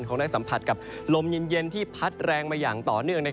คงได้สัมผัสกับลมเย็นที่พัดแรงมาอย่างต่อเนื่อง